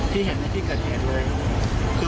ที่เห็นแล้วที่เกิดเห็นเลย